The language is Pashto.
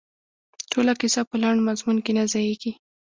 ټوله کیسه په لنډ مضمون کې نه ځاییږي.